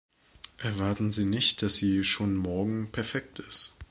Erwarten Sie nicht, dass sie schon morgen perfekt ist!